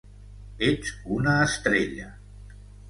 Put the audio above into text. Ets una estrella !